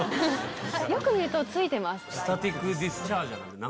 よく見ると付いてます。